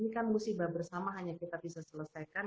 ini kan musibah bersama hanya kita bisa selesaikan